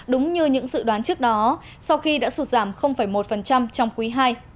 đúng như những sự đoán trước đó sau khi đã sụt giảm một trong quý hai